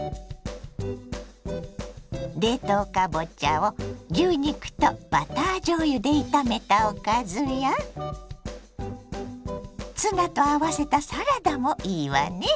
冷凍かぼちゃを牛肉とバターじょうゆで炒めたおかずやツナと合わせたサラダもいいわね。